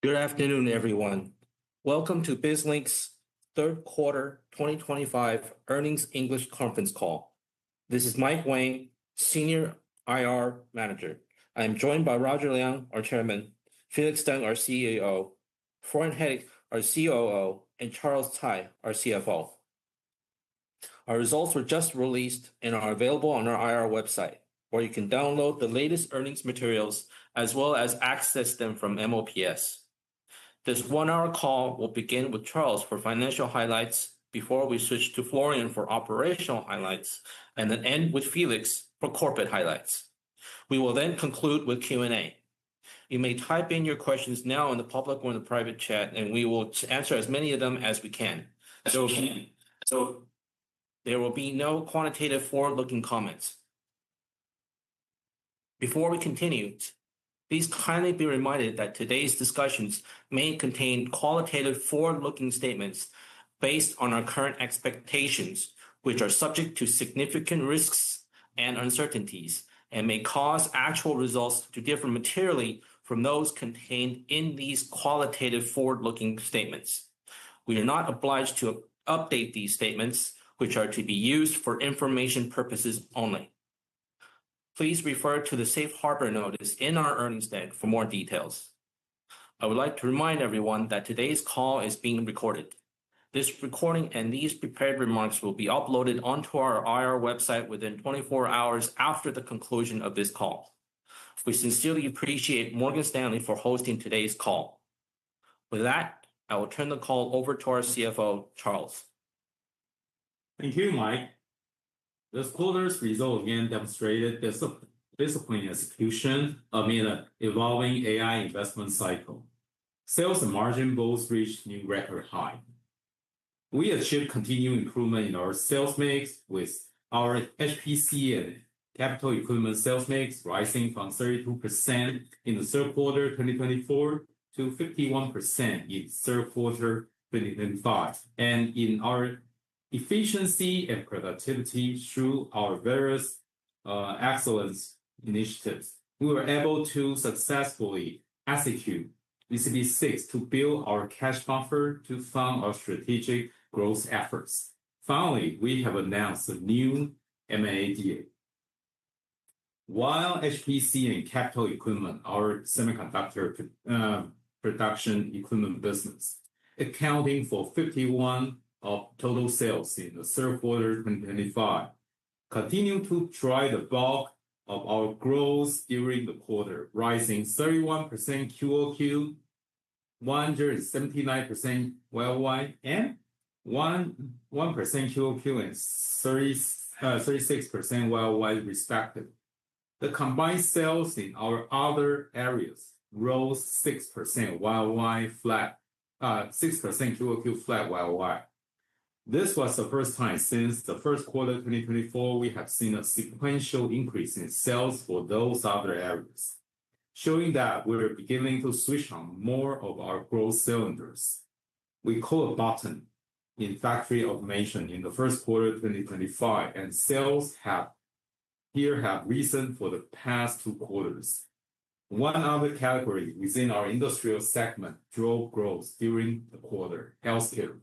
Good afternoon, everyone. Welcome to BizLink's Third Quarter 2025 Earnings English Conference Call. This is Mike Wang, Senior IR Manager. I am joined by Roger Liang, our Chairman; Felix Teng, our CEO; Florian Hettich, our COO; and Charles Tsai, our CFO. Our results were just released and are available on our IR website, where you can download the latest earnings materials as well as access them from MOPS. This one-hour call will begin with Charles for financial highlights before we switch to Florian for operational highlights, and then end with Felix for corporate highlights. We will then conclude with Q&A. You may type in your questions now in the public or in the private chat, and we will answer as many of them as we can. There will be no quantitative forward-looking comments. Before we continue, please kindly be reminded that today's discussions may contain qualitative forward-looking statements based on our current expectations, which are subject to significant risks and uncertainties and may cause actual results to differ materially from those contained in these qualitative forward-looking statements. We are not obliged to update these statements, which are to be used for information purposes only. Please refer to the Safe Harbor Notice in our Earnings Deck for more details. I would like to remind everyone that today's call is being recorded. This recording and these prepared remarks will be uploaded onto our IR website within 24 hours after the conclusion of this call. We sincerely appreciate Morgan Stanley for hosting today's call. With that, I will turn the call over to our CFO, Charles. Thank you, Mike. This quarter's results again demonstrated disciplined execution amid an evolving AI investment cycle. Sales and margin both reached new record highs. We achieved continued improvement in our sales mix with our HPC and capital equipment sales mix rising from 32% in the third quarter 2024 to 51% in the third quarter 2025. In our efficiency and productivity through our various excellence initiatives, we were able to successfully execute ECP VI to build our cash buffer to fund our strategic growth efforts. Finally, we have announced a new M&A deal. While HPC and capital equipment are semiconductor production equipment businesses, accounting for 51% of total sales in the third quarter 2025, they continue to drive the bulk of our growth during the quarter, rising 31% QoQ, 179% YoY, and 1% QoQ and 36% YoY respectively. The combined sales in our other areas rose 6% YoY, 6% QoQ, flat YoY. This was the first time since the first quarter 2024 we have seen a sequential increase in sales for those other areas, showing that we're beginning to switch on more of our growth cylinders. We caught a bottom in factory automation in the first quarter 2025, and sales here have risen for the past two quarters. One other category within our industrial segment drove growth during the quarter: healthcare.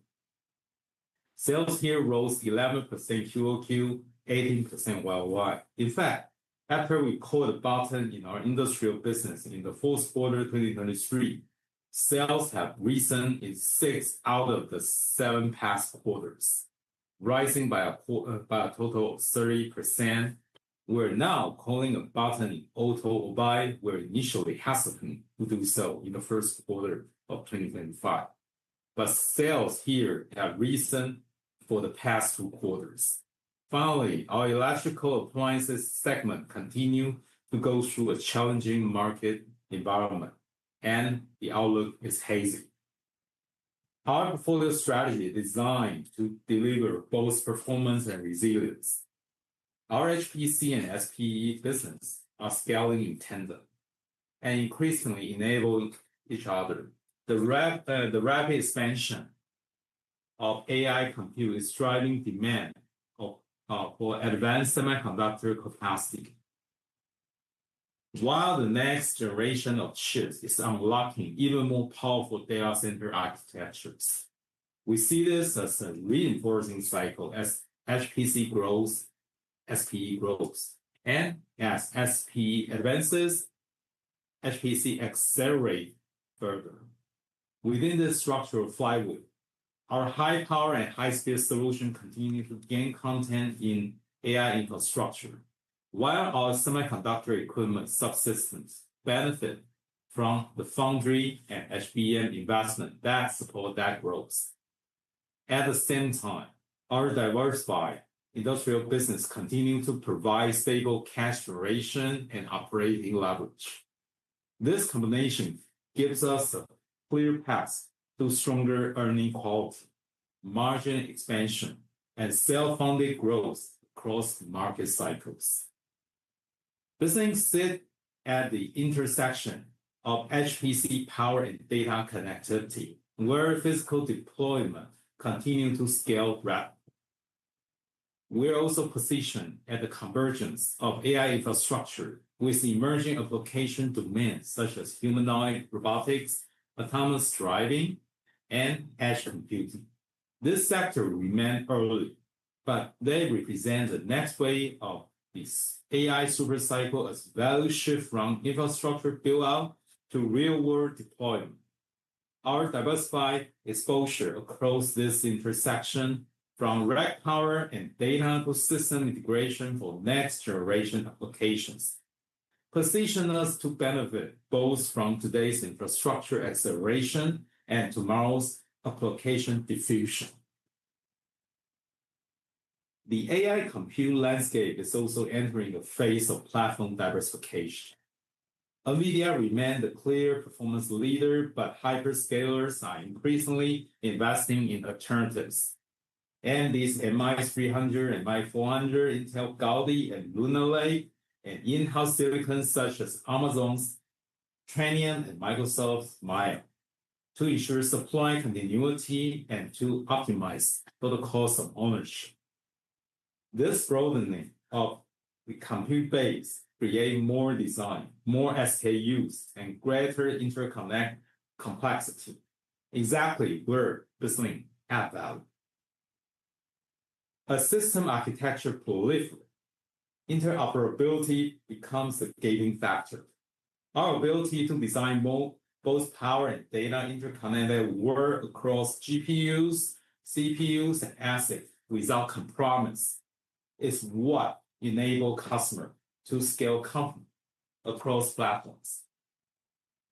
Sales here rose 11% QoQ, 18% YoY. In fact, after we caught a bottom in our industrial business in the fourth quarter 2023, sales have risen in six out of the seven past quarters, rising by a total of 30%. We're now calling a bottom in auto or but were initially hesitant to do so in the first quarter of 2025. Sales here have risen for the past two quarters. Finally, our electrical appliances segment continues to go through a challenging market environment, and the outlook is hazy. Our portfolio strategy is designed to deliver both performance and resilience. Our HPC and SPE business are scaling in tandem and increasingly enabling each other. The rapid expansion of AI compute is driving demand for advanced semiconductor capacity. While the next generation of chips is unlocking even more powerful data center architectures, we see this as a reinforcing cycle as HPC grows, SPE grows, and as SPE advances, HPC accelerates further. Within this structural flywheel, our high-power and high-speed solution continues to gain content in AI infrastructure, while our semiconductor equipment subsystems benefit from the foundry and HBM investment that support that growth. At the same time, our diversified industrial business continues to provide stable cash generation and operating leverage. This combination gives us a clear path to stronger earning quality, margin expansion, and self-funded growth across market cycles. BizLink sits at the intersection of HPC power and data connectivity, where physical deployment continues to scale rapidly. We're also positioned at the convergence of AI infrastructure with emerging application domains such as humanoid robotics, autonomous driving, and edge computing. This sector remains early, but they represent the next wave of this AI super cycle as value shifts from infrastructure build-out to real-world deployment. Our diversified exposure across this intersection from rack power and data persistent integration for next-generation applications positions us to benefit both from today's infrastructure acceleration and tomorrow's application diffusion. The AI compute landscape is also entering a phase of platform diversification. NVIDIA remains the clear performance leader, but hyperscalers are increasingly investing in alternatives, and these are MI300 and MI400, Intel Gaudi and Lunar Lake, and in-house silicons such as Amazon's Trainium and Microsoft's Maia to ensure supply continuity and to optimize for the cost of ownership. This broadening of the compute base creates more design, more SKUs, and greater interconnect complexity, exactly where BizLink adds value. As system architecture proliferates, interoperability becomes the gating factor. Our ability to design both power and data interconnects to work across GPUs, CPUs, and assets without compromise is what enables customers to scale comfortably across platforms.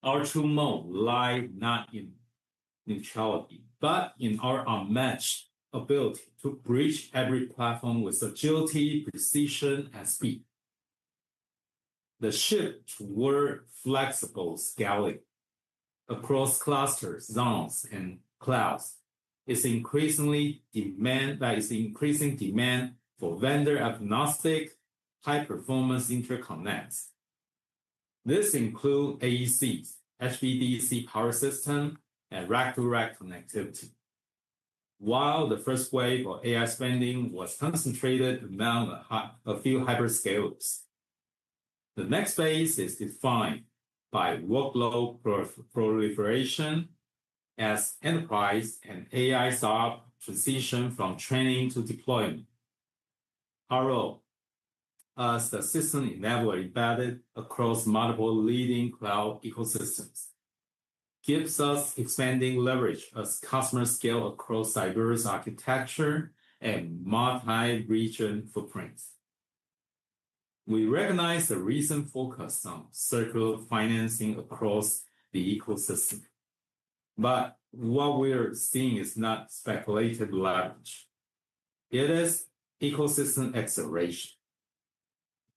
Our true moat lies not in neutrality, but in our unmatched ability to bridge every platform with agility, precision, and speed. The shift toward flexible scaling across clusters, zones, and clouds is increasingly demanding for vendor-agnostic, high-performance interconnects. This includes AECs, HVDC power systems, and rack-to-rack connectivity. While the first wave of AI spending was concentrated among a few hyperscalers, the next phase is defined by workload proliferation as enterprise and AI startups transition from training to deployment. Our role, as a system enabler embedded across multiple leading cloud ecosystems, gives us expanding leverage as customers scale across diverse architectures and multi-region footprints. We recognize the recent focus on circular financing across the ecosystem, but what we're seeing is not speculative leverage. It is ecosystem acceleration.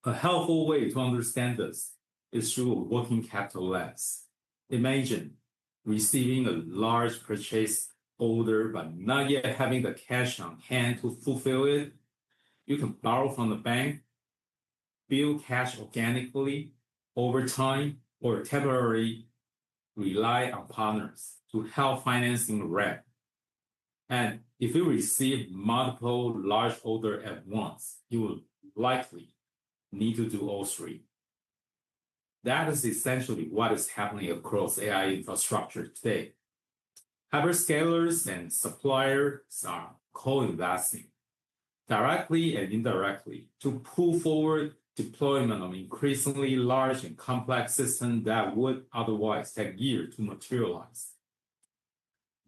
A helpful way to understand this is through a working capital lens. Imagine receiving a large purchase order, but not yet having the cash on hand to fulfill it. You can borrow from the bank, build cash organically over time, or temporarily rely on partners to help finance the rent. If you receive multiple large orders at once, you will likely need to do all three. That is essentially what is happening across AI infrastructure today. Hyperscalers and suppliers are co-investing, directly and indirectly, to pull forward deployment of increasingly large and complex systems that would otherwise take years to materialize.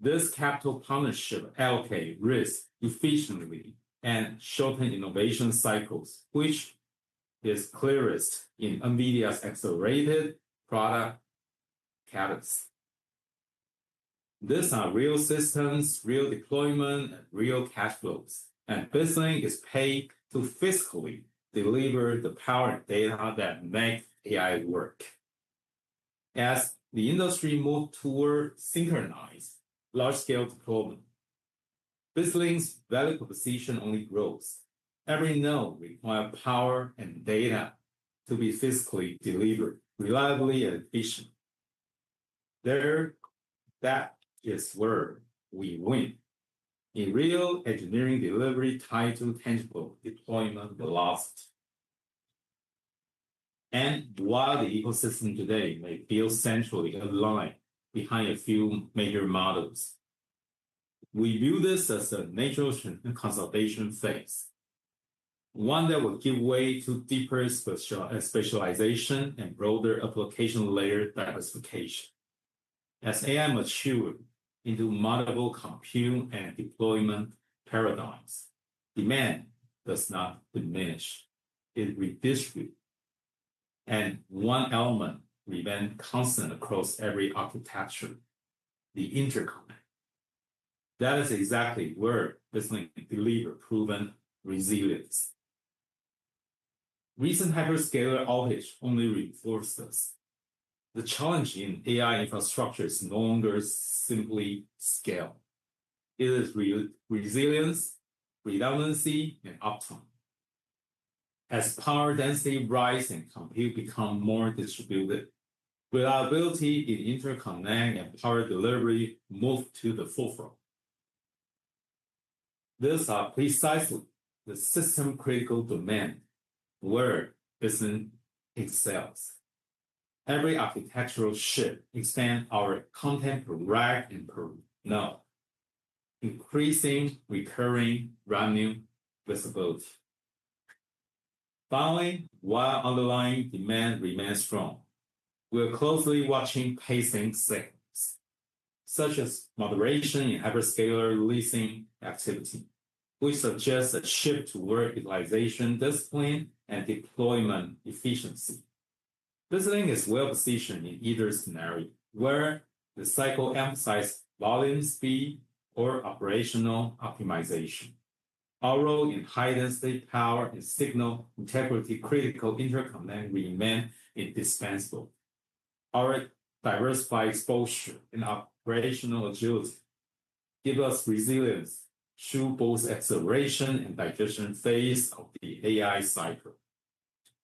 This capital partnership allocates risk efficiently and shortens innovation cycles, which is clearest in NVIDIA's accelerated product catalyst. These are real systems, real deployments, and real cash flows, and BizLink is paid to physically deliver the power and data that make AI work. As the industry moves toward synchronized large-scale deployment, BizLink's value proposition only grows. Every node requires power and data to be physically delivered reliably and efficiently. That is where we win in real engineering delivery tied to tangible deployment velocity. While the ecosystem today may feel centrally aligned behind a few major models, we view this as a natural conservation phase, one that will give way to deeper specialization and broader application layer diversification. As AI matures into multiple compute and deployment paradigms, demand does not diminish; it redistributes. One element remains constant across every architecture: the interconnect. That is exactly where BizLink delivers proven resilience. Recent hyperscaler outreach only reinforces this. The challenge in AI infrastructure is no longer simply scale. It is resilience, redundancy, and uptime. As power density rises and compute becomes more distributed, reliability in interconnect and power delivery moves to the forefront. These are precisely the system-critical domains where BizLink excels. Every architectural shift expands our contemporary rack and per node, increasing recurring revenue visibility. Finally, while underlying demand remains strong, we're closely watching pacing signals, such as moderation in hyperscaler leasing activity, which suggests a shift toward utilization discipline and deployment efficiency. BizLink is well-positioned in either scenario, where the cycle emphasizes volume speed or operational optimization. Our role in high-density power and signal integrity-critical interconnect remains indispensable. Our diversified exposure and operational agility give us resilience through both acceleration and digestion phases of the AI cycle.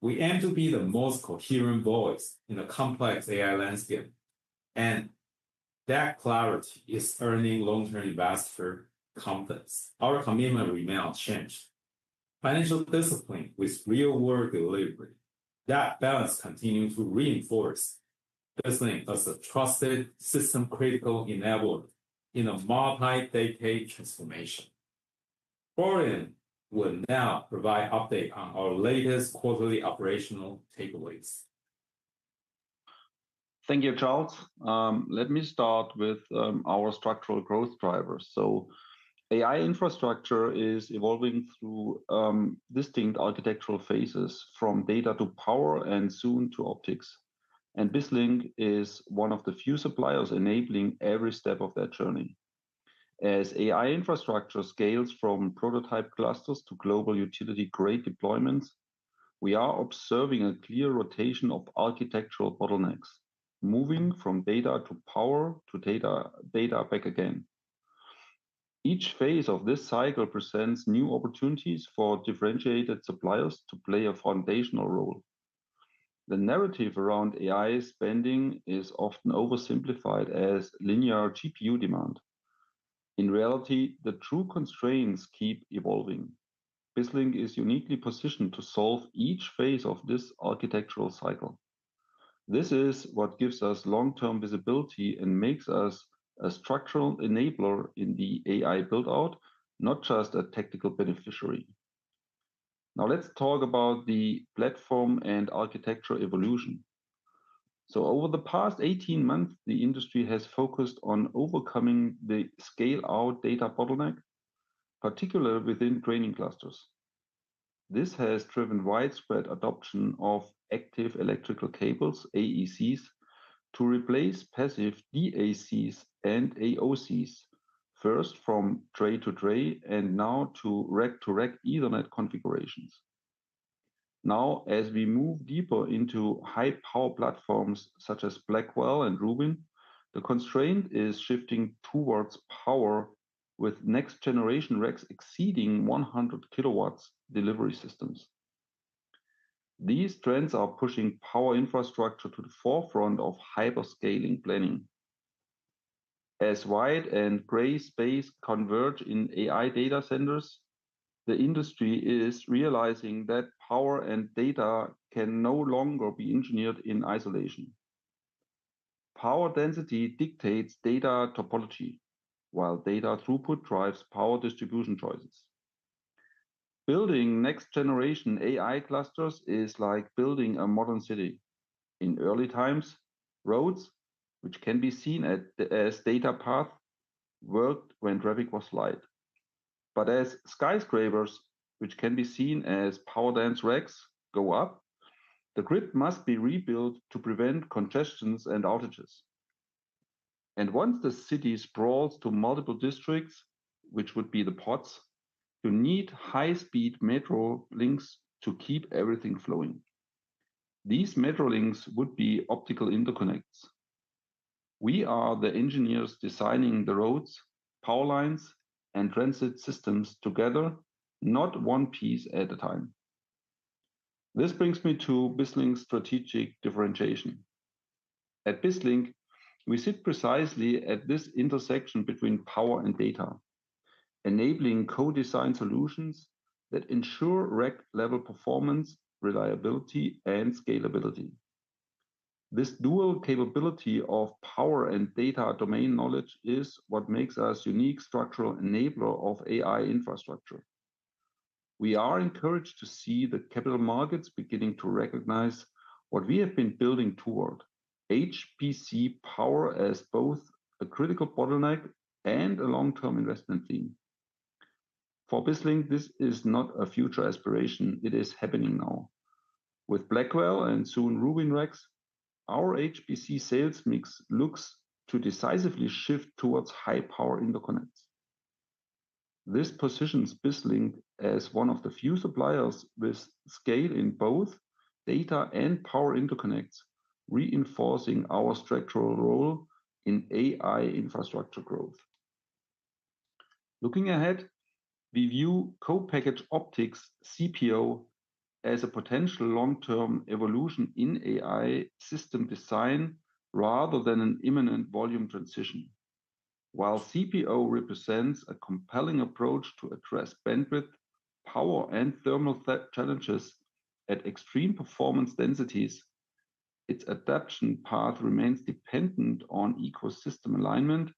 We aim to be the most coherent voice in the complex AI landscape, and that clarity is earning long-term investor confidence. Our commitment remains unchanged: financial discipline with real-world delivery. That balance continues to reinforce BizLink as a trusted system-critical enabler in a multi-decade transformation. Florian will now provide updates on our latest quarterly operational takeaways. Thank you, Charles. Let me start with our structural growth drivers. AI infrastructure is evolving through distinct architectural phases, from data to power and soon to optics. BizLink is one of the few suppliers enabling every step of that journey. As AI infrastructure scales from prototype clusters to global utility-grade deployments, we are observing a clear rotation of architectural bottlenecks, moving from data to power to data back again. Each phase of this cycle presents new opportunities for differentiated suppliers to play a foundational role. The narrative around AI spending is often oversimplified as linear GPU demand. In reality, the true constraints keep evolving. BizLink is uniquely positioned to solve each phase of this architectural cycle. This is what gives us long-term visibility and makes us a structural enabler in the AI build-out, not just a technical beneficiary. Now let's talk about the platform and architecture evolution. Over the past 18 months, the industry has focused on overcoming the scale-out data bottleneck, particularly within training clusters. This has driven widespread adoption of active electrical cables, AECs, to replace passive DACs and AOCs, first from tray-to-tray and now to rack-to-rack Ethernet configurations. Now, as we move deeper into high-power platforms such as Blackwell and Rubin, the constraint is shifting towards power with next-generation racks exceeding 100 kW delivery systems. These trends are pushing power infrastructure to the forefront of hyperscaling planning. As white and gray space converge in AI data centers, the industry is realizing that power and data can no longer be engineered in isolation. Power density dictates data topology, while data throughput drives power distribution choices. Building next-generation AI clusters is like building a modern city. In early times, roads, which can be seen as data paths, worked when traffic was light. As skyscrapers, which can be seen as power-dense racks, go up, the grid must be rebuilt to prevent congestions and outages. Once the city sprawls to multiple districts, which would be the pods, you need high-speed metro links to keep everything flowing. These metro links would be optical interconnects. We are the engineers designing the roads, power lines, and transit systems together, not one piece at a time. This brings me to BizLink's strategic differentiation. At BizLink, we sit precisely at this intersection between power and data, enabling co-design solutions that ensure rack-level performance, reliability, and scalability. This dual capability of power and data domain knowledge is what makes us a unique structural enabler of AI infrastructure. We are encouraged to see the capital markets beginning to recognize what we have been building toward: HPC power as both a critical bottleneck and a long-term investment theme. For BizLink, this is not a future aspiration. It is happening now. With Blackwell and soon Rubin racks, our HPC sales mix looks to decisively shift towards high-power interconnects. This positions BizLink as one of the few suppliers with scale in both data and power interconnects, reinforcing our structural role in AI infrastructure growth. Looking ahead, we view co-packaged optics CPO as a potential long-term evolution in AI system design rather than an imminent volume transition. While CPO represents a compelling approach to address bandwidth, power, and thermal challenges at extreme performance densities, its adoption path remains dependent on ecosystem alignment,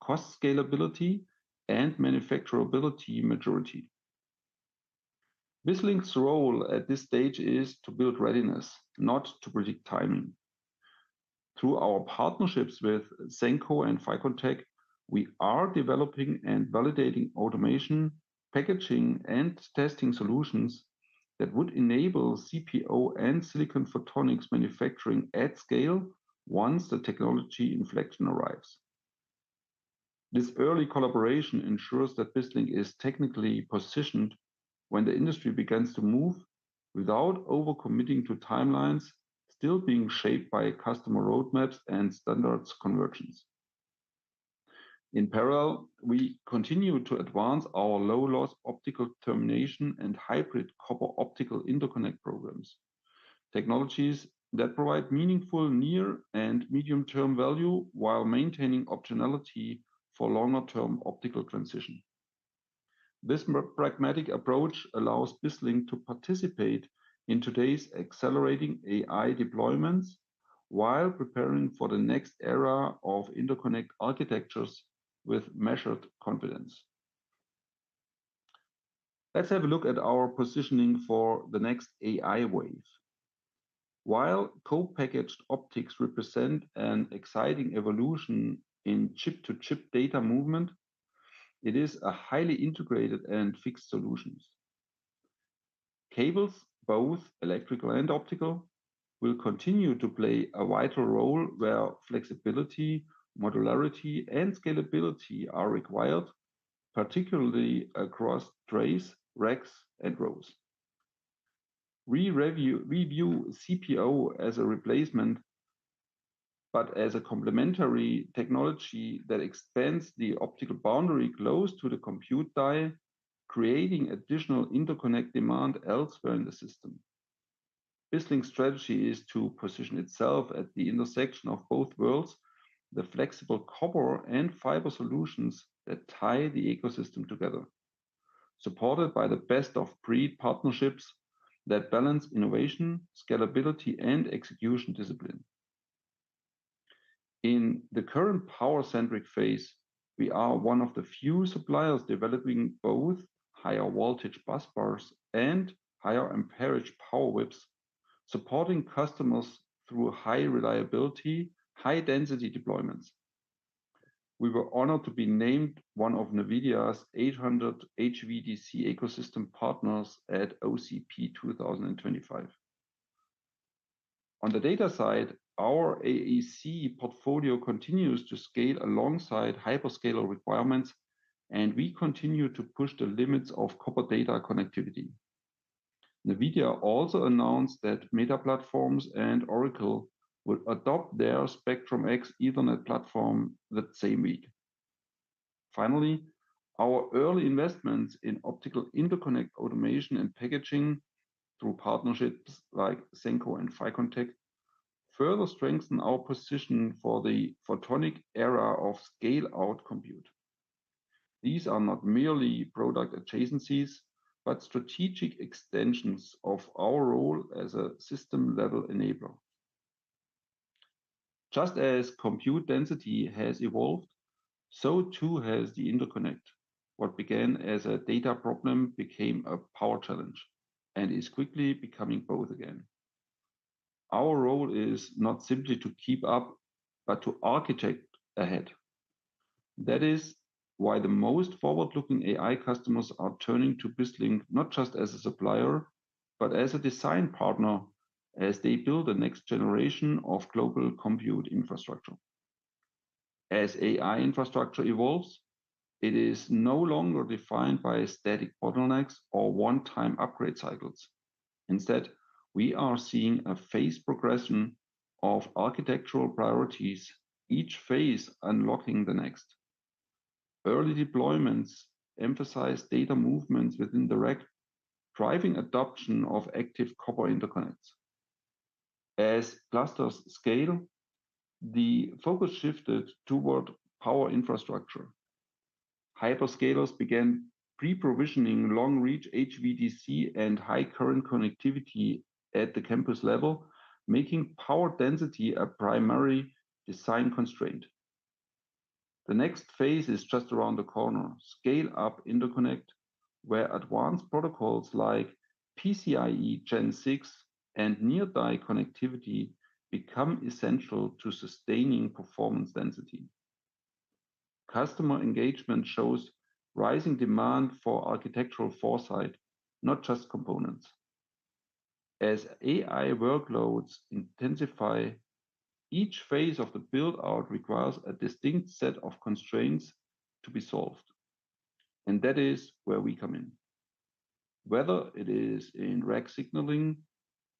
cost scalability, and manufacturability maturity. BizLink's role at this stage is to build readiness, not to predict timing. Through our partnerships with SENCO and ficonTEC, we are developing and validating automation, packaging, and testing solutions that would enable CPO and silicon photonics manufacturing at scale once the technology inflection arrives. This early collaboration ensures that BizLink is technically positioned when the industry begins to move without overcommitting to timelines still being shaped by customer roadmaps and standards convergence. In parallel, we continue to advance our low-loss optical termination and hybrid copper optical interconnect programs, technologies that provide meaningful near and medium-term value while maintaining optionality for longer-term optical transition. This pragmatic approach allows BizLink to participate in today's accelerating AI deployments while preparing for the next era of interconnect architectures with measured confidence. Let's have a look at our positioning for the next AI wave. While co-packaged optics represent an exciting evolution in chip-to-chip data movement, it is a highly integrated and fixed solution. Cables, both electrical and optical, will continue to play a vital role where flexibility, modularity, and scalability are required, particularly across trays, racks, and rows. We review CPO as a replacement, but as a complementary technology that expands the optical boundary close to the compute die, creating additional interconnect demand elsewhere in the system. BizLink's strategy is to position itself at the intersection of both worlds: the flexible copper and fiber solutions that tie the ecosystem together, supported by the best-of-breed partnerships that balance innovation, scalability, and execution discipline. In the current power-centric phase, we are one of the few suppliers developing both higher-voltage busbars and higher-amperage power whips, supporting customers through high-reliability, high-density deployments. We were honored to be named one of NVIDIA's 800 HVDC ecosystem partners at OCP 2025. On the data side, our AEC portfolio continues to scale alongside hyperscaler requirements, and we continue to push the limits of copper data connectivity. NVIDIA also announced that Meta Platforms and Oracle will adopt their Spectrum-X Ethernet platform that same week. Finally, our early investments in optical interconnect automation and packaging through partnerships like SENCO and ficonTEC further strengthen our position for the photonic era of scale-out compute. These are not merely product adjacencies, but strategic extensions of our role as a system-level enabler. Just as compute density has evolved, so too has the interconnect. What began as a data problem became a power challenge and is quickly becoming both again. Our role is not simply to keep up, but to architect ahead. That is why the most forward-looking AI customers are turning to BizLink not just as a supplier, but as a design partner as they build the next generation of global compute infrastructure. As AI infrastructure evolves, it is no longer defined by static bottlenecks or one-time upgrade cycles. Instead, we are seeing a phased progression of architectural priorities, each phase unlocking the next. Early deployments emphasize data movements within the rack, driving adoption of active copper interconnects. As clusters scale, the focus shifted toward power infrastructure. Hyperscalers began pre-provisioning long-reach HVDC and high-current connectivity at the campus level, making power density a primary design constraint. The next phase is just around the corner: scale-up interconnect, where advanced protocols like PCIe Gen 6 and near-die connectivity become essential to sustaining performance density. Customer engagement shows rising demand for architectural foresight, not just components. As AI workloads intensify, each phase of the build-out requires a distinct set of constraints to be solved. That is where we come in. Whether it is in rack signaling,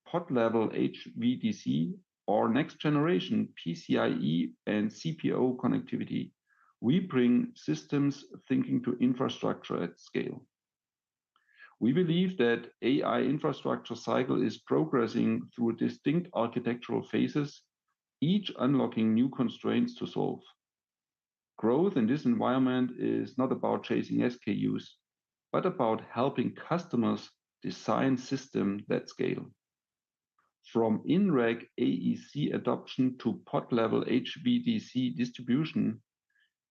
pod-level HVDC, or next-generation PCIe and CPO connectivity, we bring systems thinking to infrastructure at scale. We believe that the AI infrastructure cycle is progressing through distinct architectural phases, each unlocking new constraints to solve. Growth in this environment is not about chasing SKUs, but about helping customers design systems that scale. From in-rack AEC adoption to pod-level HVDC distribution,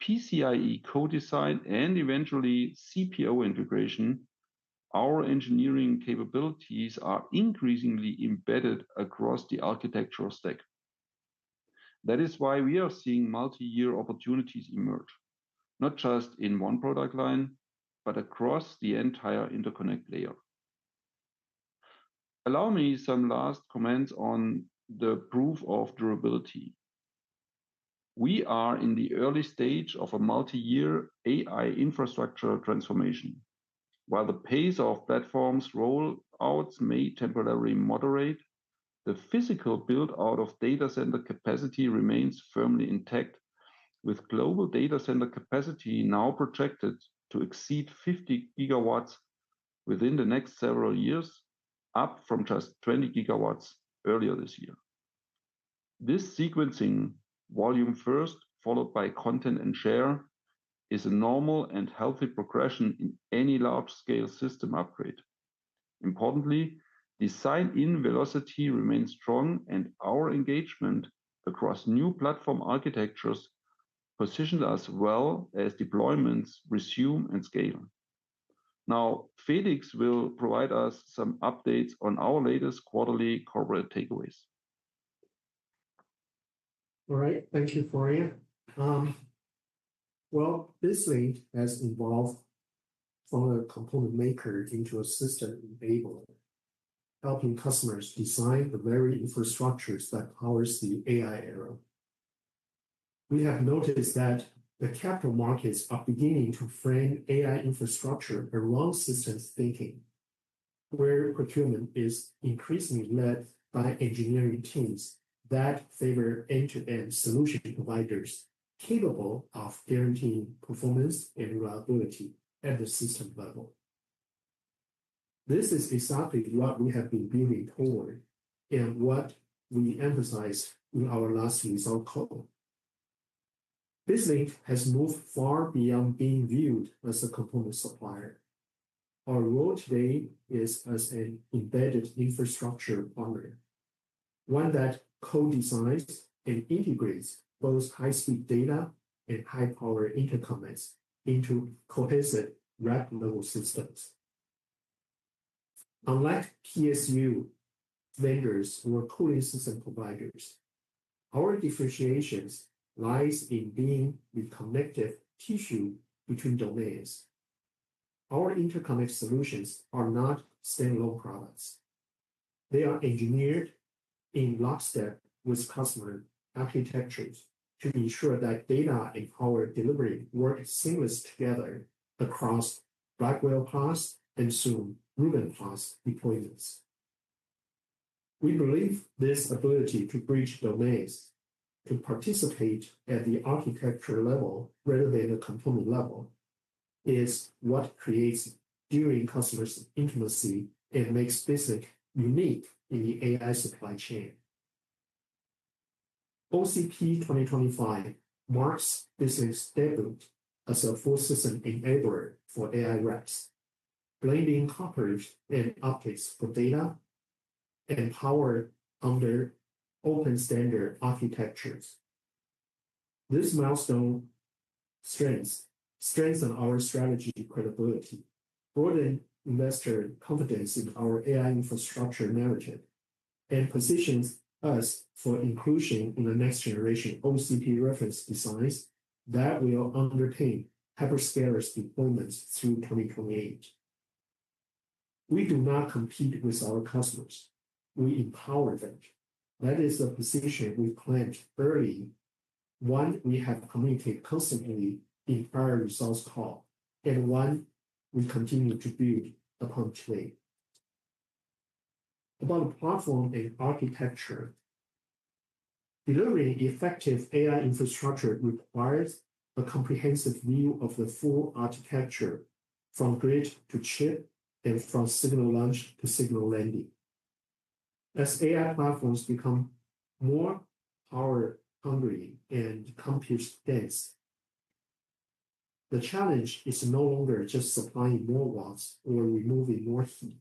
PCIe co-design, and eventually CPO integration, our engineering capabilities are increasingly embedded across the architectural stack. That is why we are seeing multi-year opportunities emerge, not just in one product line, but across the entire interconnect layer. Allow me some last comments on the proof of durability. We are in the early stage of a multi-year AI infrastructure transformation. While the pace of platforms' rollouts may temporarily moderate, the physical build-out of data center capacity remains firmly intact, with global data center capacity now projected to exceed 50 gigawatts within the next several years, up from just 20 GW earlier this year. This sequencing, volume first followed by content and share, is a normal and healthy progression in any large-scale system upgrade. Importantly, design in velocity remains strong, and our engagement across new platform architectures positions us well as deployments resume and scale. Now, Felix will provide us some updates on our latest quarterly corporate takeaways. All right. Thank you, Florian. BizLink has evolved from a component maker into a system enabler, helping customers design the very infrastructures that powers the AI era. We have noticed that the capital markets are beginning to frame AI infrastructure around systems thinking, where procurement is increasingly led by engineering teams that favor end-to-end solution providers capable of guaranteeing performance and reliability at the system level. This is exactly what we have been building toward and what we emphasized in our last result call. BizLink has moved far beyond being viewed as a component supplier. Our role today is as an embedded infrastructure partner, one that co-designs and integrates both high-speed data and high-power interconnects into cohesive rack-level systems. Unlike PSU vendors or cooling system providers, our differentiation lies in being the connective tissue between domains. Our interconnect solutions are not standalone products. They are engineered in lockstep with customer architectures to ensure that data and power delivery work seamlessly together across Blackwell pods and soon Rubin pods deployments. We believe this ability to bridge domains, to participate at the architecture level rather than the component level, is what creates enduring customer intimacy and makes BizLink unique in the AI supply chain. OCP 2025 marks BizLink's debut as a full system enabler for AI racks, blending copper and optics for data and power under open-standard architectures. This milestone strengthens our strategy credibility, broadens investor confidence in our AI infrastructure narrative, and positions us for inclusion in the next generation OCP reference designs that will underpin hyperscalers' deployments through 2028. We do not compete with our customers. We empower them. That is the position we've claimed early, one we have communicated constantly in our results call, and one we continue to build upon today. About the platform and architecture, delivering effective AI infrastructure requires a comprehensive view of the full architecture from grid to chip and from signal launch to signal landing. As AI platforms become more power-hungry and compute-dense, the challenge is no longer just supplying more watts or removing more heat.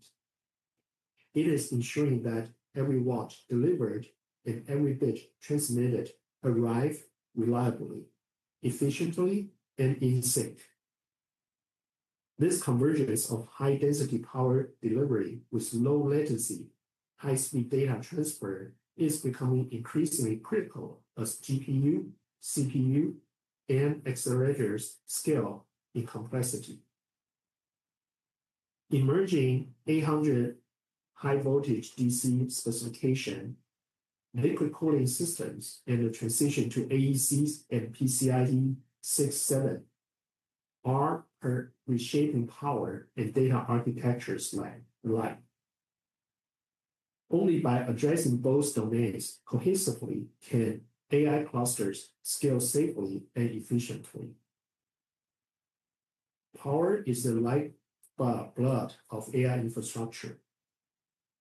It is ensuring that every watt delivered and every bit transmitted arrives reliably, efficiently, and in sync. This convergence of high-density power delivery with low-latency, high-speed data transfer is becoming increasingly critical as GPU, CPU, and accelerators scale in complexity. Emerging 800 high-voltage DC specification, liquid cooling systems, and the transition to AECs and PCIe Gen 6-7 are reshaping power and data architectures life. Only by addressing both domains cohesively can AI clusters scale safely and efficiently. Power is the lifeblood of AI infrastructure.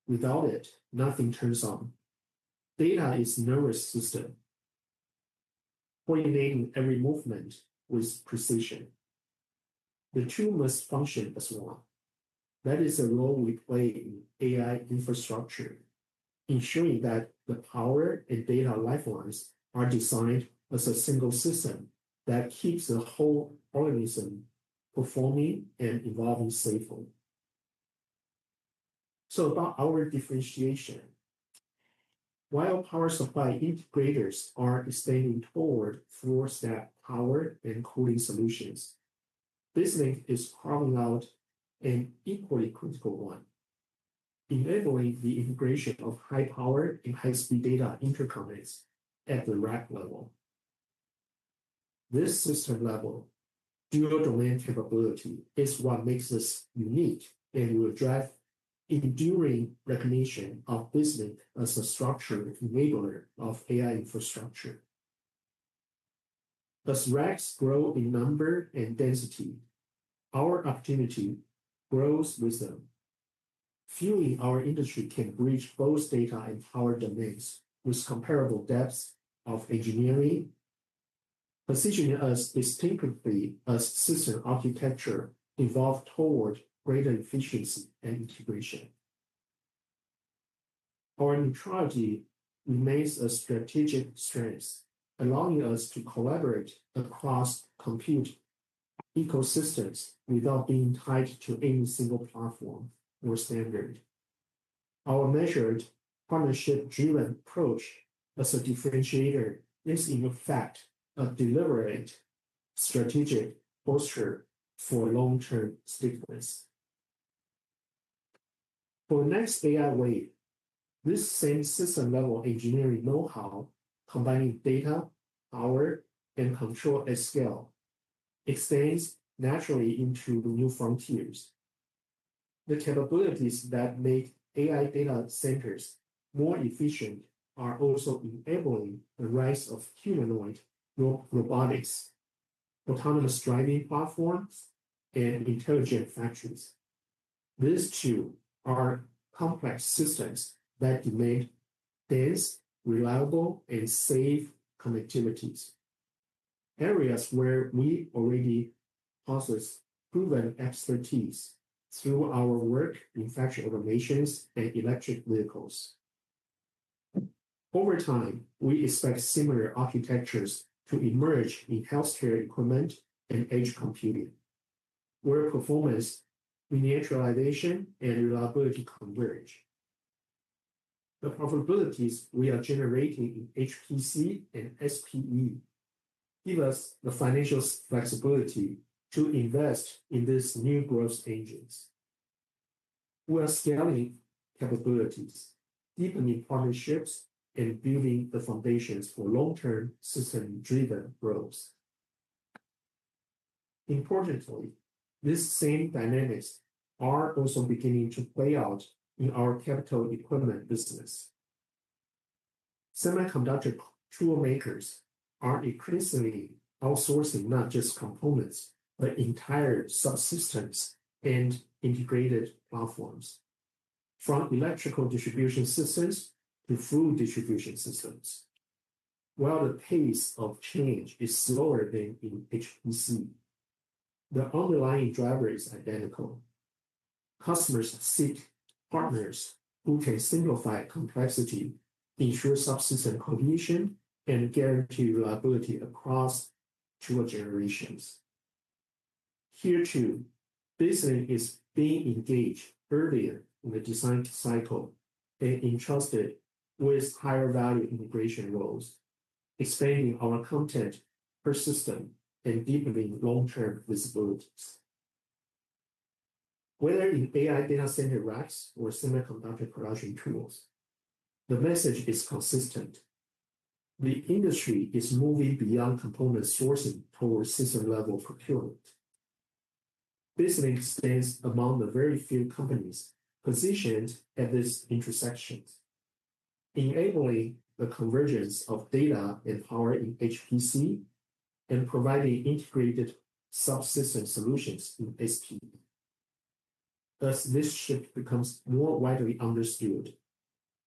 Without it, nothing turns on. Data is a nervous system, coordinating every movement with precision. The two must function as one. That is the role we play in AI infrastructure, ensuring that the power and data lifelines are designed as a single system that keeps the whole organism performing and evolving safely. About our differentiation. While power supply integrators are expanding toward floor-step power and cooling solutions, BizLink is carving out an equally critical one, enabling the integration of high-power and high-speed data interconnects at the rack level. This system-level dual-domain capability is what makes us unique and will drive enduring recognition of BizLink as a structural enabler of AI infrastructure. As racks grow in number and density, our opportunity grows with them. Few in our industry can bridge both data and power domains with comparable depths of engineering, positioning us distinctively as system architecture evolved toward greater efficiency and integration. Our neutrality remains a strategic strength, allowing us to collaborate across compute ecosystems without being tied to any single platform or standard. Our measured partnership-driven approach as a differentiator is, in effect, a deliberate strategic posture for long-term stakeholders. For the next AI wave, this same system-level engineering know-how, combining data, power, and control at scale, extends naturally into new frontiers. The capabilities that make AI data centers more efficient are also enabling the rise of humanoid robotics, autonomous driving platforms, and intelligent factories. These too are complex systems that demand dense, reliable, and safe connectivities. Areas where we already possess proven expertise through our work in factory automations and electric vehicles. Over time, we expect similar architectures to emerge in healthcare equipment and edge computing, where performance, miniaturization, and reliability converge. The profitabilities we are generating in HPC and SPE give us the financial flexibility to invest in these new growth engines. We are scaling capabilities, deepening partnerships, and building the foundations for long-term system-driven growth. Importantly, these same dynamics are also beginning to play out in our capital equipment business. Semiconductor toolmakers are increasingly outsourcing not just components, but entire subsystems and integrated platforms, from electrical distribution systems to fluid distribution systems. While the pace of change is slower than in HPC, the underlying driver is identical. Customers seek partners who can simplify complexity, ensure subsystem cohesion, and guarantee reliability across two generations. Here, too, BizLink is being engaged earlier in the design cycle and entrusted with higher-value integration roles, expanding our content per system and deepening long-term visibilities. Whether in AI data center racks or semiconductor production tools, the message is consistent. The industry is moving beyond component sourcing toward system-level procurement. BizLink stands among the very few companies positioned at this intersection, enabling the convergence of data and power in HPC and providing integrated subsystem solutions in SPE. As this shift becomes more widely understood,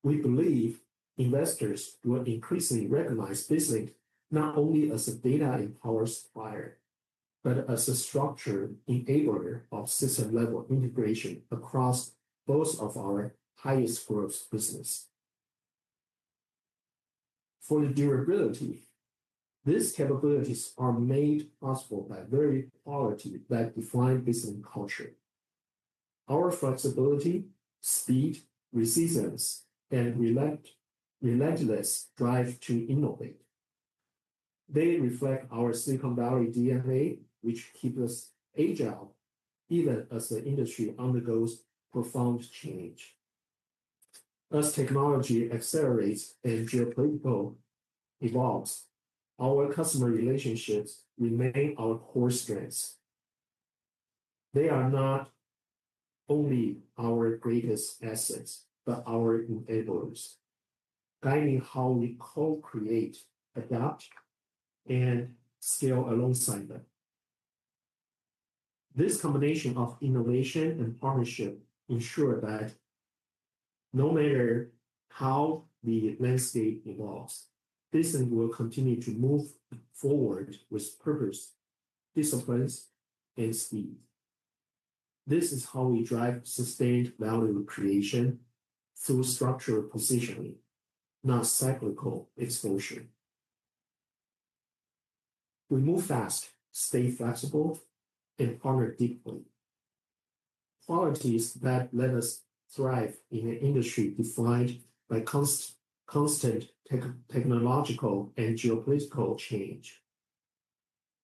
we believe investors will increasingly recognize BizLink not only as a data and power supplier, but as a structural enabler of system-level integration across both of our highest growth businesses. For the durability, these capabilities are made possible by very high quality that define BizLink culture. Our flexibility, speed, resilience, and relentless drive to innovate. They reflect our Silicon Valley DNA, which keeps us agile even as the industry undergoes profound change. As technology accelerates and geopolitical evolves, our customer relationships remain our core strengths. They are not only our greatest assets, but our enablers, guiding how we co-create, adopt, and scale alongside them. This combination of innovation and partnership ensures that no matter how the landscape evolves, BizLink will continue to move forward with purpose, discipline, and speed. This is how we drive sustained value creation through structural positioning, not cyclical exposure. We move fast, stay flexible, and partner deeply. Qualities that let us thrive in an industry defined by constant technological and geopolitical change.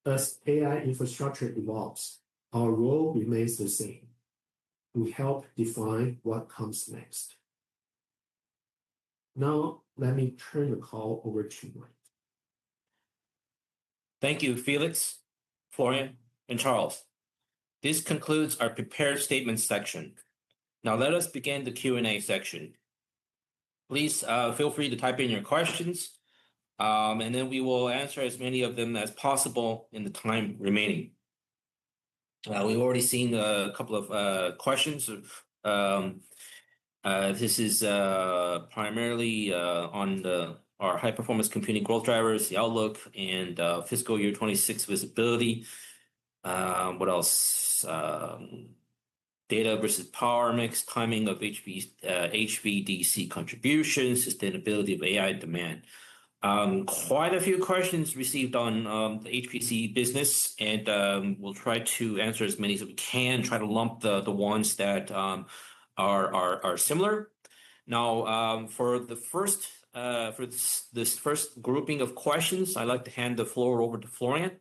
As AI infrastructure evolves, our role remains the same. We help define what comes next. Now, let me turn the call over to Mike. Thank you, Felix, Florian, and Charles. This concludes our prepared statement section. Now, let us begin the Q&A section. Please feel free to type in your questions, and then we will answer as many of them as possible in the time remaining. We've already seen a couple of questions. This is primarily on our high-performance computing growth drivers, the outlook, and fiscal year 2026 visibility. What else? Data versus power mix, timing of HVDC contributions, sustainability of AI demand. Quite a few questions received on the HPC business, and we'll try to answer as many as we can, try to lump the ones that are similar. Now, for this first grouping of questions, I'd like to hand the floor over to Florian.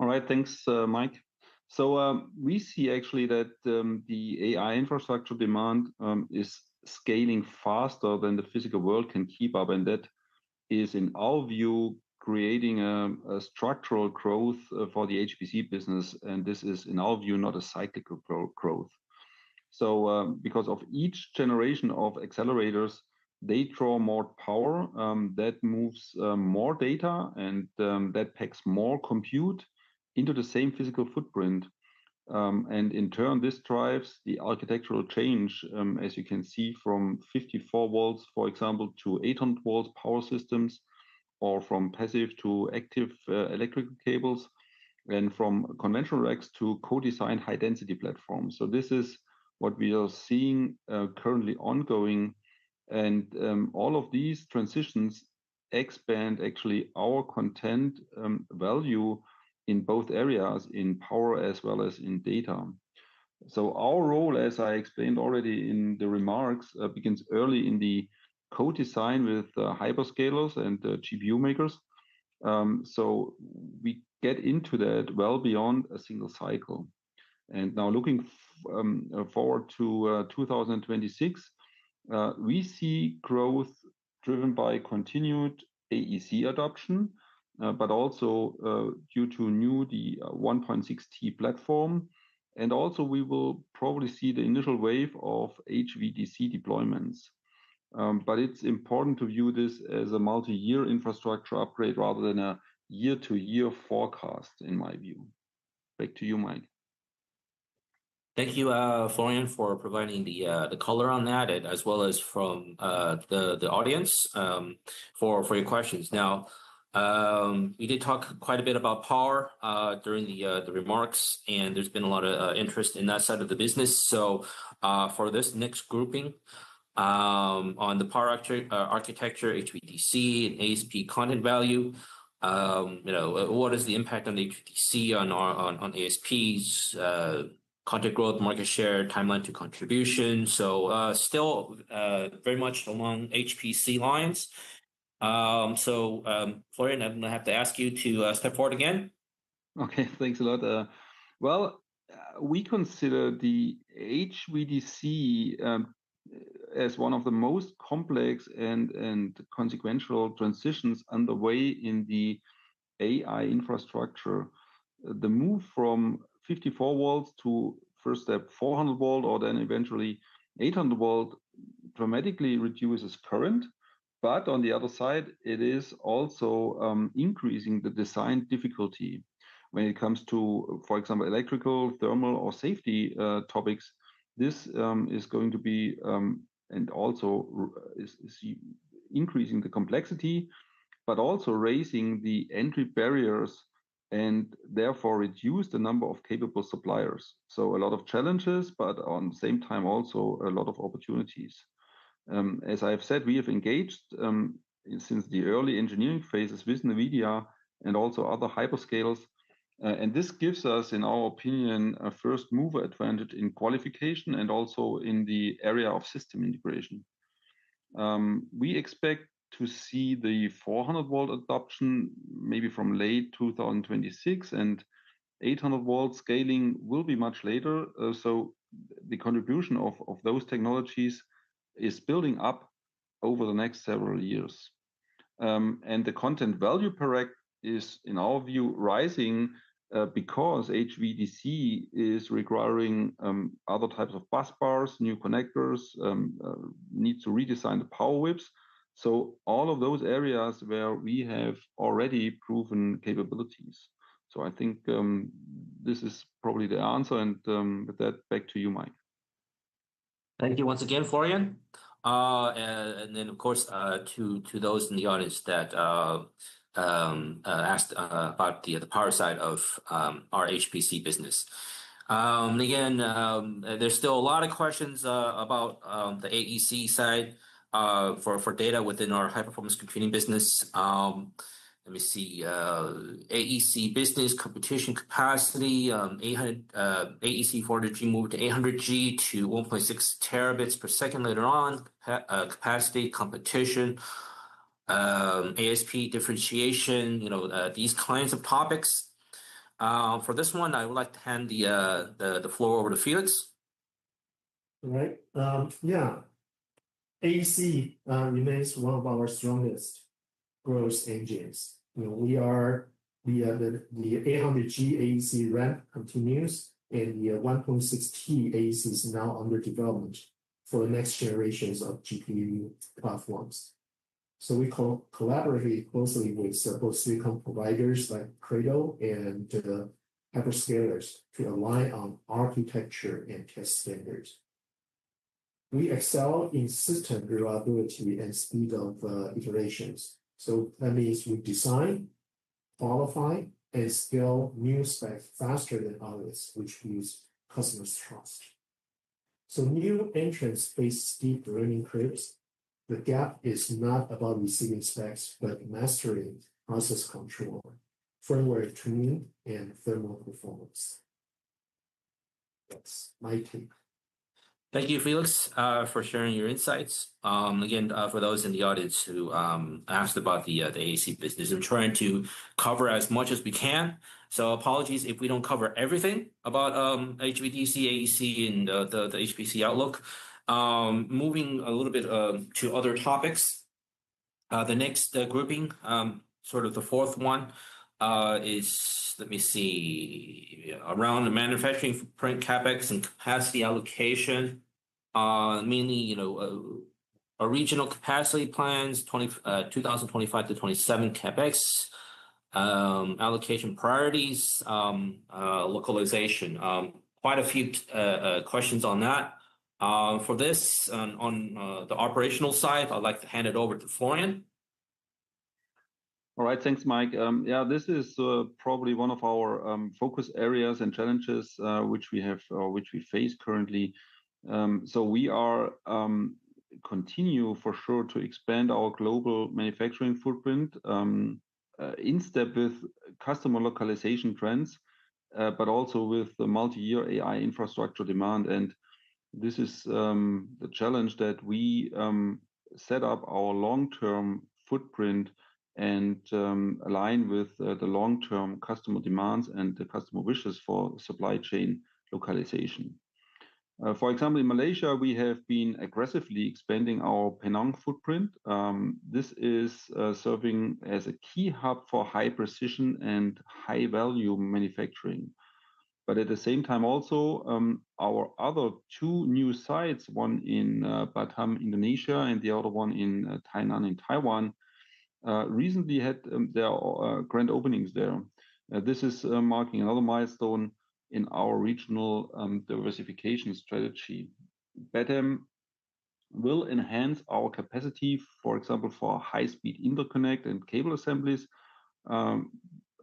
All right, thanks, Mike. We see actually that the AI infrastructure demand is scaling faster than the physical world can keep up, and that is, in our view, creating a structural growth for the HPC business. This is, in our view, not a cyclical growth. Because each generation of accelerators, they draw more power that moves more data and that packs more compute into the same physical footprint. This drives the architectural change, as you can see, from 54 volts, for example, to 800 volts power systems, or from passive to active electrical cables, and from conventional racks to co-designed high-density platforms. This is what we are seeing currently ongoing. All of these transitions expand actually our content value in both areas, in power as well as in data. Our role, as I explained already in the remarks, begins early in the co-design with the hyperscalers and the GPU makers. We get into that well beyond a single cycle. Now looking forward to 2026, we see growth driven by continued AEC adoption, but also due to new, the 1.6T platform. We will probably see the initial wave of HVDC deployments. It is important to view this as a multi-year infrastructure upgrade rather than a year-to-year forecast, in my view. Back to you, Mike. Thank you, Florian, for providing the color on that, as well as from the audience for your questions. Now, we did talk quite a bit about power during the remarks, and there has been a lot of interest in that side of the business. For this next grouping on the power architecture, HVDC and ASP content value, what is the impact on HVDC, on ASPs, content growth, market share, timeline to contribution? Still very much along HPC lines. Florian, I am going to have to ask you to step forward again. Okay, thanks a lot. We consider the HVDC as one of the most complex and consequential transitions underway in the AI infrastructure. The move from 54 volts to first step 400 volts or then eventually 800 volts dramatically reduces current. On the other side, it is also increasing the design difficulty when it comes to, for example, electrical, thermal, or safety topics. This is going to be and also is increasing the complexity, but also raising the entry barriers and therefore reduce the number of capable suppliers. A lot of challenges, but at the same time, also a lot of opportunities. As I have said, we have engaged since the early engineering phases with NVIDIA and also other hyperscalers. This gives us, in our opinion, a first-mover advantage in qualification and also in the area of system integration. We expect to see the 400-volt adoption maybe from late 2026, and 800-volt scaling will be much later. The contribution of those technologies is building up over the next several years. The content value per rack is, in our view, rising because HVDC is requiring other types of busbars, new connectors, need to redesign the power whips. All of those are areas where we have already proven capabilities. I think this is probably the answer. With that, back to you, Mike. Thank you once again, Florian. Of course, to those in the audience that asked about the power side of our HPC business, there are still a lot of questions about the AEC side for data within our high-performance computing business. Let me see. AEC business competition capacity, AEC 400G moved to 800G to 1.6 terabits per second later on, capacity competition, ASP differentiation, these kinds of topics. For this one, I would like to hand the floor over to Felix. All right. Yeah. AEC remains one of our strongest growth engines. The 800G AEC ramp continues, and the 1.6T AEC is now under development for the next generations of GPU platforms. We collaborate closely with both silicon providers like Credo and hyperscalers to align on architecture and test standards. We excel in system reliability and speed of iterations. That means we design, qualify, and scale new specs faster than others, which gives customers trust. New entrance-based deep learning curves, the gap is not about receiving specs, but mastering process control, firmware tuning, and thermal performance. That is my take. Thank you, Felix, for sharing your insights. Again, for those in the audience who asked about the AEC business, we are trying to cover as much as we can. Apologies if we do not cover everything about HVDC, AEC, and the HPC outlook. Moving a little bit to other topics. The next grouping, sort of the fourth one, is, let me see, around the manufacturing footprint, CapEx, and capacity allocation, mainly regional capacity plans, 2025-2027 CapEx, allocation priorities, localization. Quite a few questions on that. For this, on the operational side, I'd like to hand it over to Florian. All right, thanks, Mike. Yeah, this is probably one of our focus areas and challenges which we have or which we face currently. We continue for sure to expand our global manufacturing footprint in step with customer localization trends, but also with the multi-year AI infrastructure demand. This is the challenge that we set up our long-term footprint and align with the long-term customer demands and the customer wishes for supply chain localization. For example, in Malaysia, we have been aggressively expanding our Penang footprint. This is serving as a key hub for high-precision and high-value manufacturing. At the same time, also, our other two new sites, one in Batam, Indonesia, and the other one in Tainan in Taiwan, recently had their grand openings there. This is marking another milestone in our regional diversification strategy. Batam will enhance our capacity, for example, for high-speed interconnect and cable assemblies.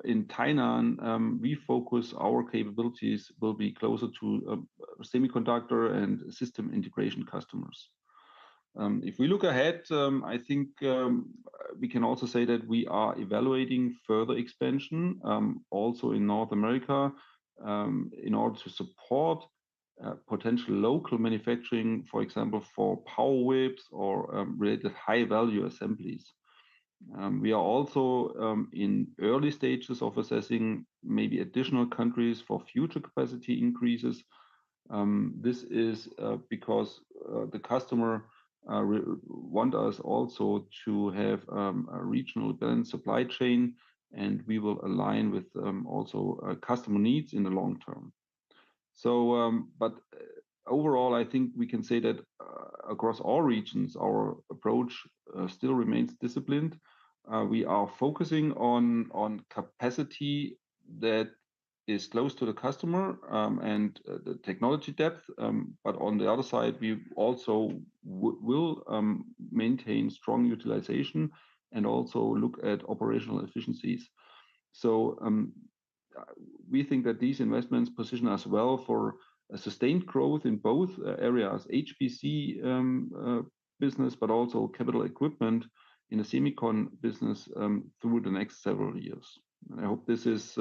In Tainan, we focus our capabilities will be closer to semiconductor and system integration customers. If we look ahead, I think we can also say that we are evaluating further expansion also in North America in order to support potential local manufacturing, for example, for power whips or related high-value assemblies. We are also in early stages of assessing maybe additional countries for future capacity increases. This is because the customer wants us also to have a regional blend supply chain, and we will align with also customer needs in the long term. Overall, I think we can say that across all regions, our approach still remains disciplined. We are focusing on capacity that is close to the customer and the technology depth. On the other side, we also will maintain strong utilization and also look at operational efficiencies. We think that these investments position us well for sustained growth in both areas, HPC business, but also capital equipment in the semiconductor business through the next several years. I hope this is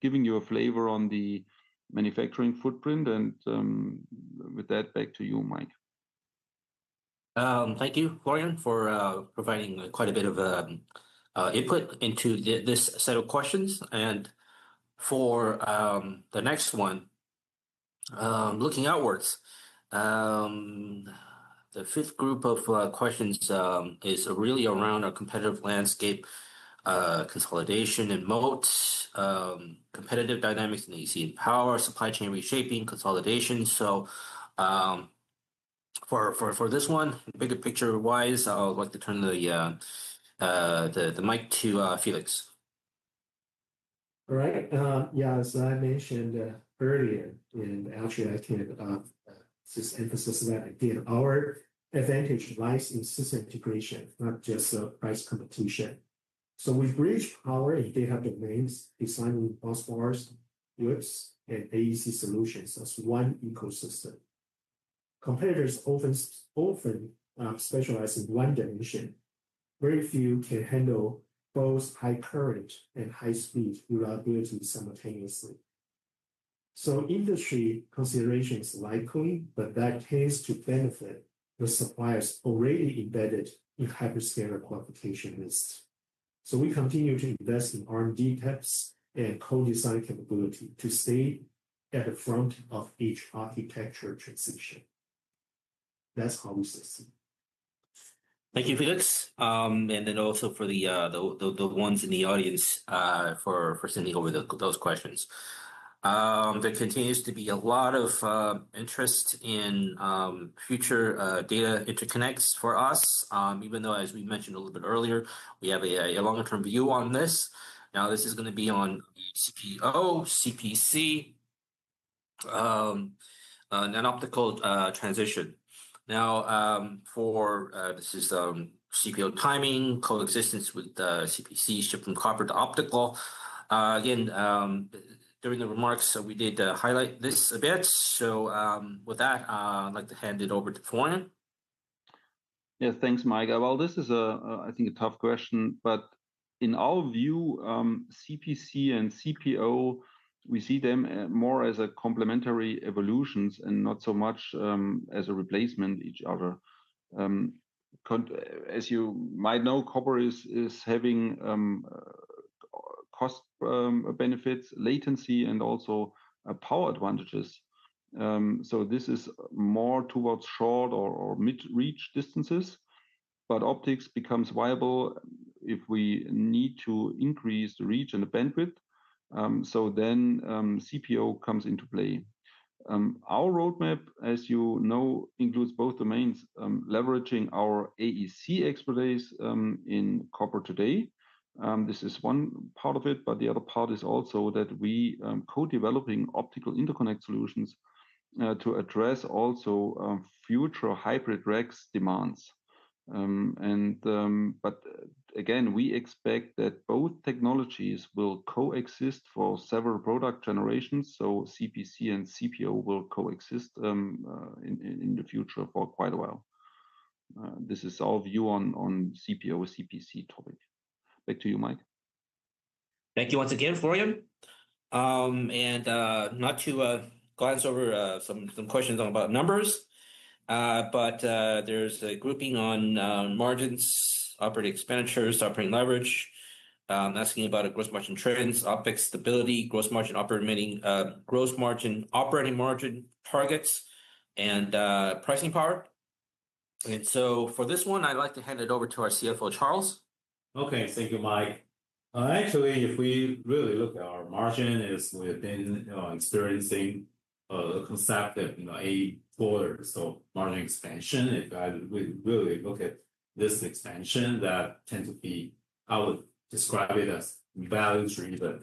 giving you a flavor on the manufacturing footprint. With that, back to you, Mike. Thank you, Florian, for providing quite a bit of input into this set of questions. For the next one, looking outwards, the fifth group of questions is really around our competitive landscape, consolidation and moats, competitive dynamics in AC and power, supply chain reshaping, consolidation. For this one, bigger picture-wise, I would like to turn the mic to Felix. All right. Yeah, as I mentioned earlier, and actually, I can just emphasize that again, our advantage lies in system integration, not just price competition. We bridge power and data domains, designing busbars, whips, and AEC solutions as one ecosystem. Competitors often specialize in one dimension. Very few can handle both high current and high speed reliability simultaneously. Industry considerations likely, but that tends to benefit the suppliers already embedded in hyperscaler qualification lists. We continue to invest in R&D techs and co-design capability to stay at the front of each architecture transition. That's how we succeed. Thank you, Felix. Thank you to the ones in the audience for sending over those questions. There continues to be a lot of interest in future data interconnects for us, even though, as we mentioned a little bit earlier, we have a long-term view on this. Now, this is going to be on CPO, CPC, non-optical transition. For this, it is CPO timing, coexistence with CPC, shift from copper to optical. Again, during the remarks, we did highlight this a bit. With that, I'd like to hand it over to Florian. Yeah, thanks, Mike. This is, I think, a tough question. In our view, CPC and CPO, we see them more as complementary evolutions and not so much as a replacement for each other. As you might know, copper is having cost benefits, latency, and also power advantages. This is more towards short or mid-reach distances. Optics becomes viable if we need to increase the reach and the bandwidth. CPO comes into play. Our roadmap, as you know, includes both domains, leveraging our AEC expertise in copper today. This is one part of it, but the other part is also that we are co-developing optical interconnect solutions to address also future hybrid racks demands. We expect that both technologies will coexist for several product generations. CPC and CPO will coexist in the future for quite a while. This is our view on CPO, CPC topic. Back to you, Mike. Thank you once again, Florian. Not to glance over some questions about numbers, but there is a grouping on margins, operating expenditures, operating leverage, asking about gross margin trends, optics stability, gross margin operating margin targets, and pricing power. For this one, I'd like to hand it over to our CFO, Charles. Okay, thank you, Mike. Actually, if we really look at our margin, we've been experiencing the concept of a four-year margin expansion. If we really look at this expansion, that tends to be, I would describe it as value-driven,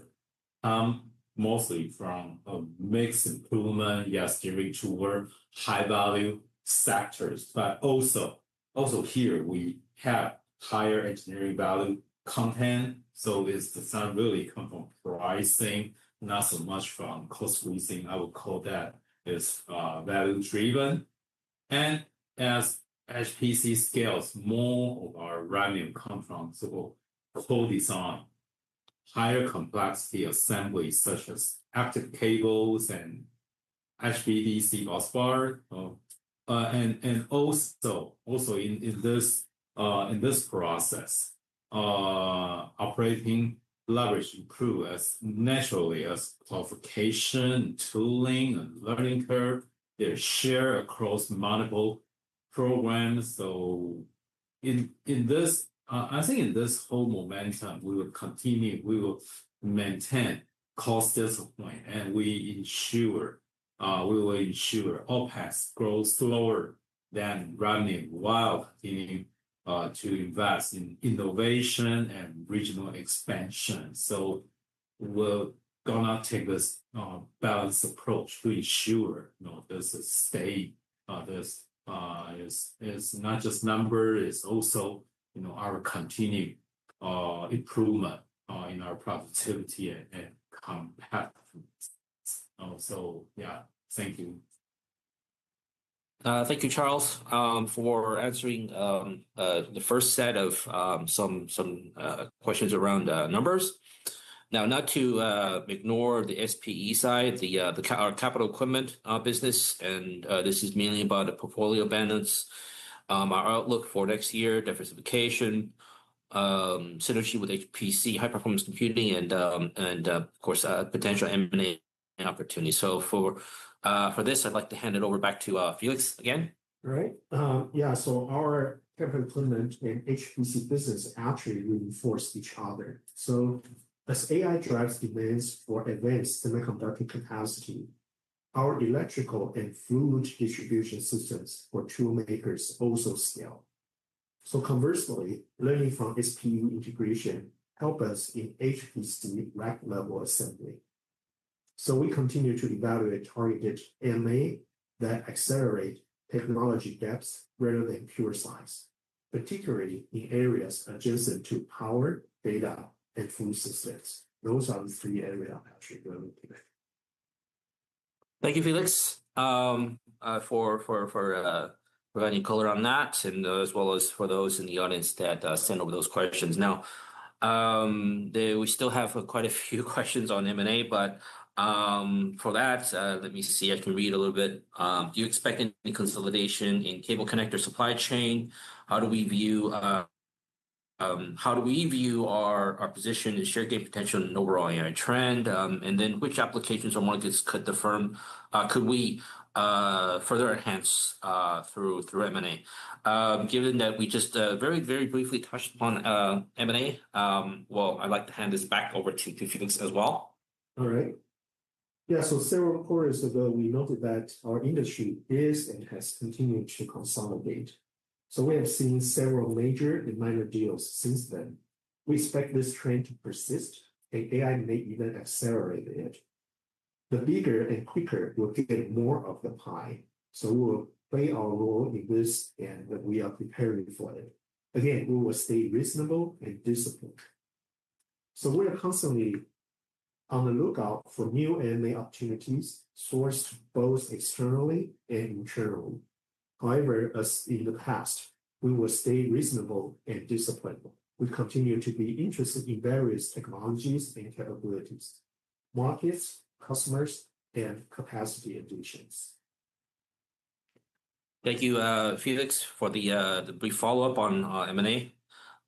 mostly from a mixed improvement, yes, direct to high-value sectors. Also here, we have higher engineering value content. It has not really come from pricing, not so much from cost leasing. I would call that value-driven. As HPC scales, more of our revenue comes from co-design, higher complexity assemblies, such as active cables and HVDC bus bar. Also in this process, operating leverage improves as naturally as qualification, tooling, and learning curve. They are shared across multiple programs. I think in this whole momentum, we will continue, we will maintain cost discipline. We will ensure OpEx grows slower than revenue while continuing to invest in innovation and regional expansion. We are going to take this balanced approach to ensure this stay. This is not just numbers. It is also our continued improvement in our productivity and compactness. Thank you. Thank you, Charles, for answering the first set of some questions around numbers. Now, not to ignore the SPE side, our capital equipment business, and this is mainly about the portfolio balance, our outlook for next year, diversification, synergy with HPC, high-performance computing, and of course, potential M&A opportunities. For this, I would like to hand it over back to Felix again. All right. Our capital equipment and HPC business actually reinforce each other. As AI drives demands for advanced semiconductor capacity, our electrical and fluid distribution systems for toolmakers also scale. Conversely, learning from SPU integration helps us in HPC rack-level assembly. We continue to evaluate targeted M&A that accelerate technology depth rather than pure size, particularly in areas adjacent to power, data, and food systems. Those are the three areas I'm actually going to look at. Thank you, Felix, for providing color on that, and as well as for those in the audience that sent over those questions. We still have quite a few questions on M&A, but for that, let me see if I can read a little bit. Do you expect any consolidation in cable connector supply chain? How do we view our position and share gain potential in overall AI trend? And then which applications or markets could the firm could we further enhance through M&A? Given that we just very, very briefly touched on M&A, I'd like to hand this back over to Felix as well. All right. Yeah. Several quarters ago, we noted that our industry is and has continued to consolidate. We have seen several major and minor deals since then. We expect this trend to persist, and AI may even accelerate it. The bigger and quicker we'll get more of the pie. We'll play our role in this, and we are preparing for it. Again, we will stay reasonable and disciplined. We are constantly on the lookout for new M&A opportunities sourced both externally and internally. However, as in the past, we will stay reasonable and disciplined. We continue to be interested in various technologies and capabilities, markets, customers, and capacity additions. Thank you, Felix, for the brief follow-up on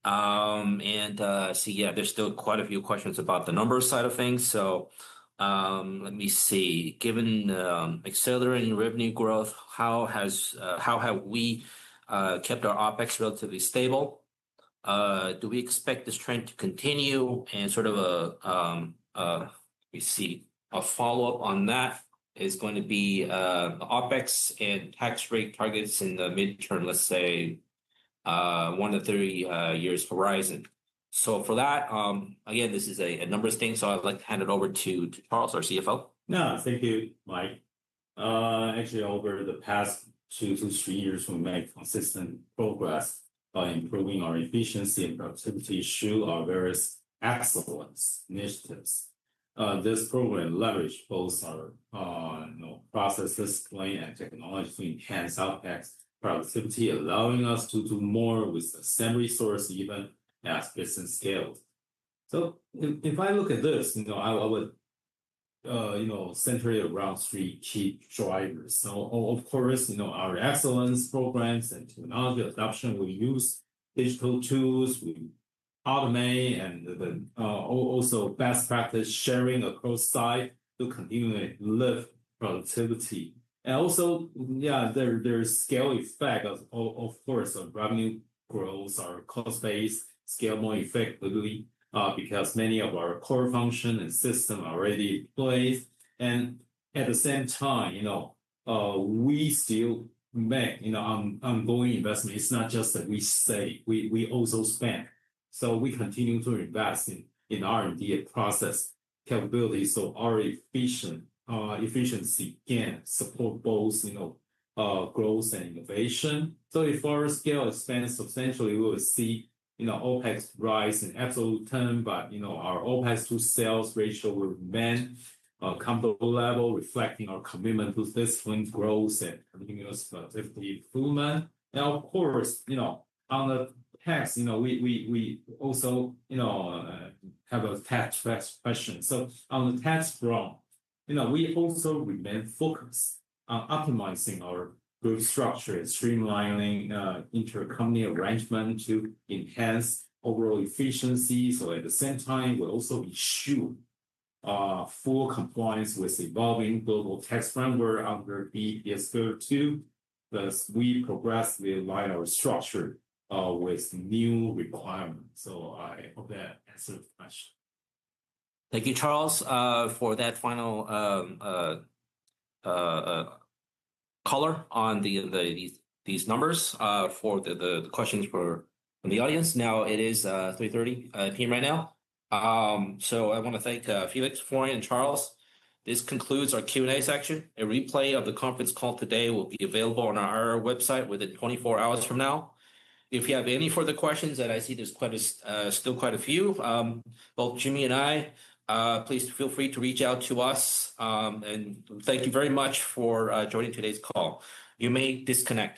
M&A. I see, yeah, there's still quite a few questions about the numbers side of things. Let me see. Given accelerating revenue growth, how have we kept our OpEx relatively stable? Do we expect this trend to continue? A follow-up on that is going to be OpEx and tax rate targets in the midterm, let's say, one to three years horizon. For that, again, this is a numbers thing. I'd like to hand it over to Charles, our CFO. Yeah, thank you, Mike. Actually, over the past two to three years, we've made consistent progress by improving our efficiency and productivity through our various excellence initiatives. This program leveraged both our processes, plan, and technology to enhance OpEx productivity, allowing us to do more with assembly source even as business scales. If I look at this, I would center it around three key drivers. Of course, our excellence programs and technology adoption, we use digital tools, we automate, and also best practice sharing across site to continue to lift productivity. Also, there is scale effect, of course, of revenue growth, our cost base scales more effectively because many of our core functions and systems are already in place. At the same time, we still make ongoing investment. It is not just that we save. We also spend. We continue to invest in R&D and process capabilities. Our efficiency can support both growth and innovation. If our scale expands substantially, we will see OpEx rise in absolute terms. Our OpEx to sales ratio will remain at a comparable level, reflecting our commitment to disciplined growth and continuous productivity improvement. Of course, on the tax, we also have a tax question. On the tax front, we also remain focused on optimizing our growth structure and streamlining intercompany arrangement to enhance overall efficiency. At the same time, we will also ensure full compliance with evolving global tax framework under. Plus, we progressively align our structure with new requirements. I hope that answered the question. Thank you, Charles, for that final color on these numbers for the questions for the audience. It is 3:30 P.M. right now. I want to thank Felix, Florian, and Charles. This concludes our Q&A section. A replay of the conference call today will be available on our website within 24 hours from now. If you have any further questions, and I see there are still quite a few, both Jimmy and I, please feel free to reach out to us. Thank you very much for joining today's call. You may disconnect.